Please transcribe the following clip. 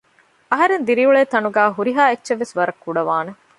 އަހަރެން ދިރިއުޅޭ ތަނުގައި ހުރިހާ އެއްޗެއްވެސް ވަރަށް ކުޑަވާނެ